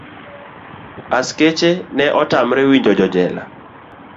Askeche ne otamre winjo jojela.